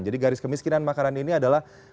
jadi garis kemiskinan makanan ini adalah